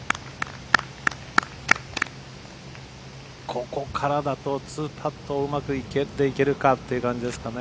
ここからだと２パットうまく入れていけるかって感じですかね